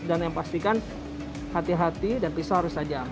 dan yang pastikan hati hati dan pisau harus tajam